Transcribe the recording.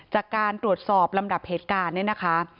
จากการตรวจสอบลำดับเหตุการณ์เนี่ยนะคะ